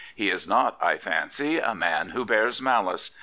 He is not, I fancy, a man who bears malice.